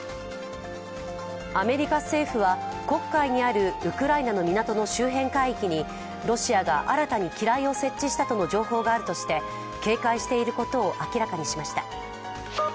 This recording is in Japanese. アメリカ政府は、黒海にあるウクライナの港の周辺海域にロシアが新たに機雷を設置したとの情報があるとして警戒していることを明らかにしました。